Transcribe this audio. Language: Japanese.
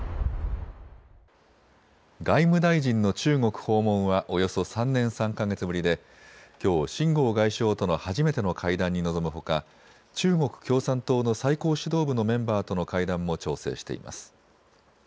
外務大臣の中国訪問はおよそ３年３か月ぶりできょう秦剛外相との初めての会談に臨むほか中国共産党の最高指導部のメンバーとの会談も調整しています。